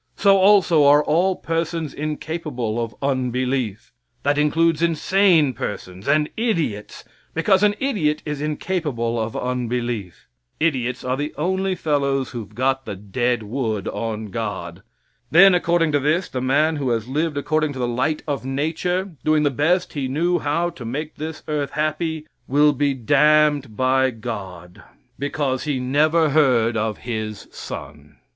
So also are all persons incapable of unbelief. That includes insane persons and idiots, because an idiot is incapable of unbelief. Idiots are the only fellows who've got the dead wood on God. Then according to this, the man who has lived according to the light of nature, doing the best he knew how to make this earth happy, will be damned by God because he never heard of His son.